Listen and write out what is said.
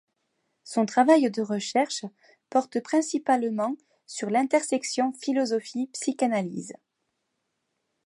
Son travail de recherche porte principalement sur l'intersection philosophie-psychanalyse.